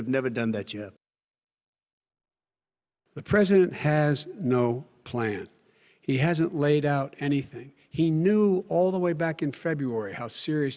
tapi biarkan saya memberitahu anda sesuatu saya tidak peduli saya sudah terbiasa